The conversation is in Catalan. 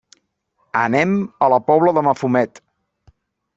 Anem a la Pobla de Mafumet.